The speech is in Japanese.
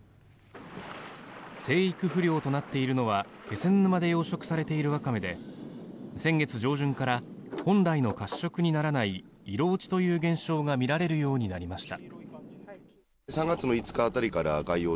生育不良となっているのは気仙沼で養殖されているワカメで先月上旬から本来の褐色にならない色落ちという現象が見られるようになりました。